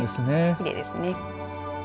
きれいですね。